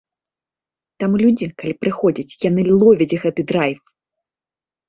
Таму людзі, калі прыходзяць, яны ловяць гэты драйв!